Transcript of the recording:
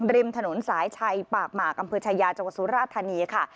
ริมถนนสายชัยปากหมากอำเภอชายาจังหวัดสุราธานีค่ะ